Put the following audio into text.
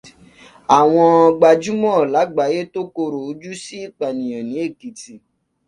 Àwọn gbajúmọ̀ lágbááyé tó korò ojú sí ípànìyàn ní Èkìtì.